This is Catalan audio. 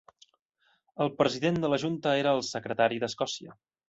El president de la junta era el Secretari d'Escòcia.